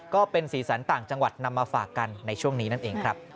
ก็เป็นสีสันต่างจังหวัดนำมาฝากกันในช่วงนี้นั่นเองครับ